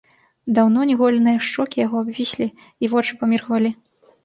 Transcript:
Даўно не голеныя шчокі яго абвіслі, і вочы паміргвалі.